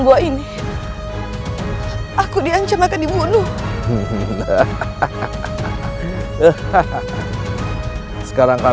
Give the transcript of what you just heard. kini hanya tinggal enam